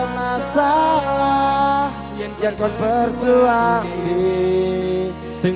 masalah yang kau perjuangkan